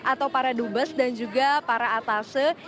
atau para dubes dan juga para atase